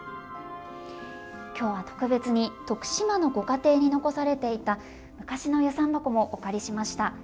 今日は特別に徳島のご家庭に残されていた昔の遊山箱もお借りしました。